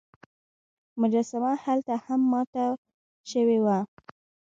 مجسمه هلته هم ماته شوې وه.